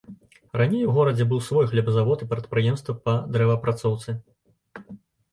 Раней у горадзе быў свой хлебазавод і прадпрыемства па дрэваапрацоўцы.